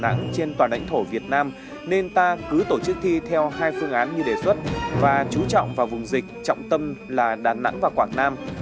trong khi đại học trên toàn đảnh thổ việt nam nên ta cứ tổ chức thi theo hai phương án như đề xuất và chú trọng vào vùng dịch trọng tâm là đà nẵng và quảng nam